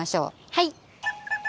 はい！